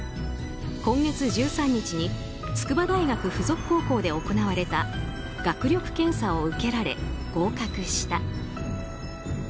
今月１３日に筑波大学附属高校で行われた学力検査を受けられ合格した。